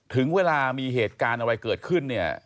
ถึงเวลามีเหตุการณ์อะไรเกิดขึ้นเนี่ย